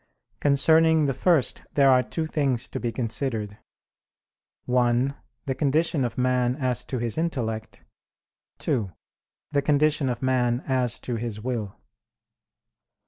Concerning the first there are two things to be considered: (1) The condition of man as to his intellect; (2) the condition of man as to his will.